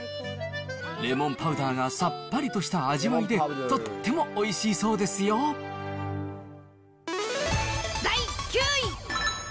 レモンパウダーがさっぱりとした味わいで、とってもおいしいそう第９位。